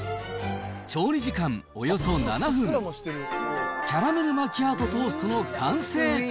調理時間およそ７分、キャラメルマキアートトーストの完成。